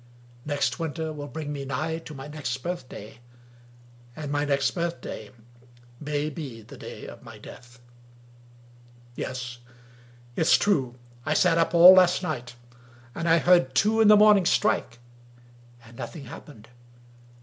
Next winter will bring me nigh to my next birthday, and my next birthday may be the day of my death. Yes! it's true I sat up all last night; and I heard two in the morning strike: and nothing happened.